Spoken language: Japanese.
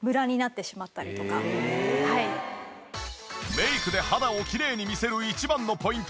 メイクで肌をきれいに見せる一番のポイント